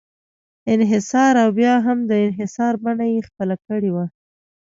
انحصار او بیا هم د انحصار بڼه یې خپله کړې وه.